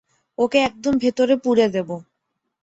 ওকে একদম ভেতরে পুরে দেবো।